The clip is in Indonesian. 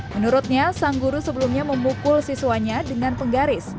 menurutnya sang guru sebelumnya memukul siswanya dengan penggaris